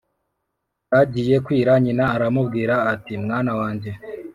bwagiye kwira, nyina aramubwira, ati «mwana wanjye